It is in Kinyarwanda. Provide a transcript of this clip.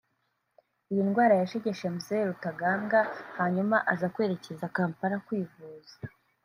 iyi ndwara yashegeshe Mzee Rutagambwa hanyuma aza kwerekeza Kampala kwivuza